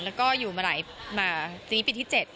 แล้วก็อยู่มาหลายปีจริงปีที่๗